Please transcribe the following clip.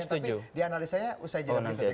tapi dianalisanya usai jadinya berikut